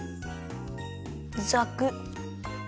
ざくっ！